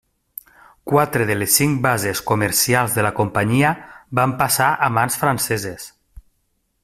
Quatre de les cinc bases comercials de la companyia van passar a mans franceses.